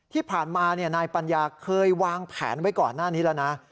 ที่ผ่านมานายปัญญาเคยวางแผนไว้ก่อนหน้านี้แล้วนะ